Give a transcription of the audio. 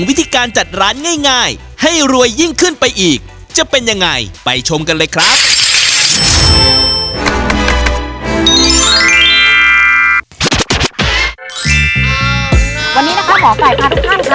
วันนี้นะคะหมอค่ายพาทุกคนค่ะ